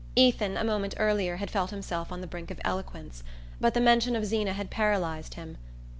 Ethan, a moment earlier, had felt himself on the brink of eloquence; but the mention of Zeena had paralysed him.